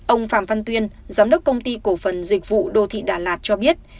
ông phạm văn tuyên giám đốc công ty cổ phần dịch vụ đô thị đà lạt cho biết